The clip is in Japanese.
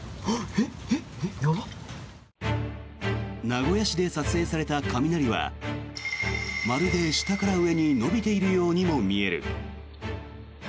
名古屋市で撮影された雷はまるで下から上に伸びているようにも見える。